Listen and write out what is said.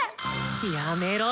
やめろ！